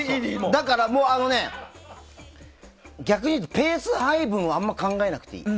だから逆に言うとペース配分をあまり考えなくていい。